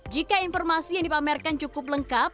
jika informasi yang dipamerkan cukup lengkap